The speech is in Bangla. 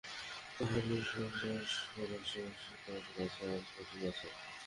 তো আমি শো শেষ করে তারপর তোর কাছে আসবো, ঠিক আছে?